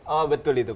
oh betul itu pak